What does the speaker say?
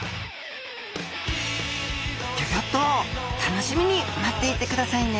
ギョギョッと楽しみに待っていてくださいね